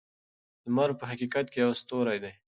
لمر په حقیقت کې یو ستوری دی.